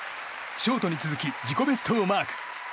ショートに続き自己ベストをマーク。